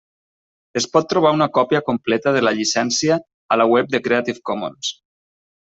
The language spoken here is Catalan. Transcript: Es pot trobar una còpia completa de la llicència a la web de Creative Commons.